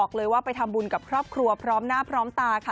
คุณกับครอบครัวพร้อมหน้าพร้อมตาค่ะ